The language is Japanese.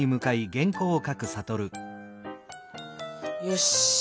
よし！